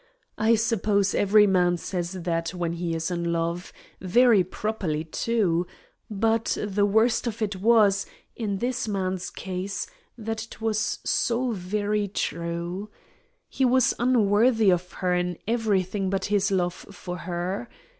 I suppose every man says that when he is in love; very properly, too; but the worst of it was, in this man's case, that it was so very true. He was unworthy of her in everything but his love for her.